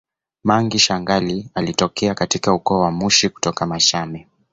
Mangi shangali alitokea alitokea katika ukoo wa Mushi kutoka Machame